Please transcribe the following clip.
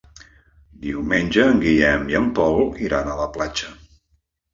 Diumenge en Guillem i en Pol iran a la platja.